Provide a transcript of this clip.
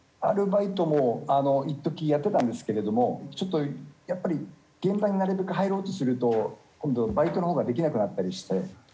アルバイトもいっときやってたんですけれどもちょっとやっぱり現場になるべく入ろうとすると今度バイトのほうができなくなったりして。